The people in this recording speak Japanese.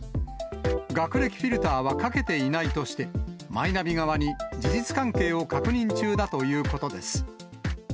学歴フィルターはかけていないとして、マイナビ側に事実関係を確認中だということです。